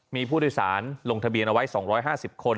มีผู้โดยสารลงทะเบียนเอาไว้สองร้อยห้าสิบคน